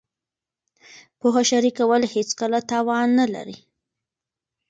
پوهه شریکول هېڅکله تاوان نه لري.